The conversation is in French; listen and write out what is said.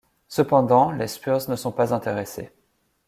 Cependant, les Spurs ne sont pas intéressés.